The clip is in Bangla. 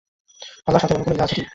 আল্লাহর সাথে অন্য কোন ইলাহ আছে কি?